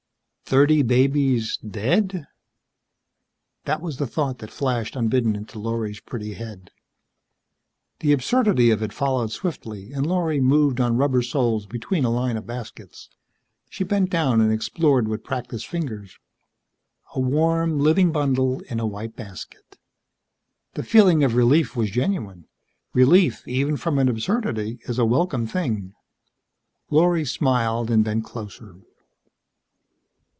Thirty babies dead? That was the thought that flashed, unbidden, into Lorry's pretty head. The absurdity of it followed swiftly, and Lorry moved on rubber soles between a line of baskets. She bent down and explored with practiced fingers. A warm, living bundle in a white basket. The feeling of relief was genuine. Relief, even from an absurdity, is a welcome thing. Lorry smiled and bent closer.